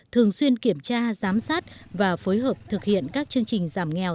thường xuyên kiểm tra giám sát và phối hợp thực hiện các chương trình giảm nghèo